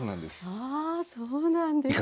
あそうなんですか。